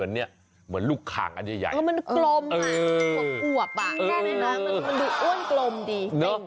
เหมือนลูกค้ากันใหญ่มันกลมค่ะมันดูอ้วนกลมดี